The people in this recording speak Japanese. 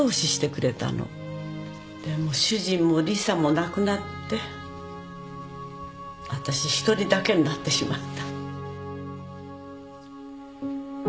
でも主人もリサも亡くなって私一人だけになってしまった。